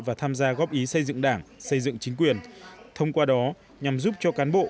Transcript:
và tham gia góp ý xây dựng đảng xây dựng chính quyền thông qua đó nhằm giúp cho cán bộ